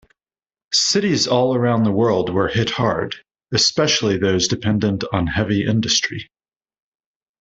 Cities all around the world were hit hard, especially those dependent on heavy industry.